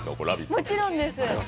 もちろんです。